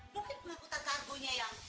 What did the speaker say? mungkin pengangkutan kargonya yang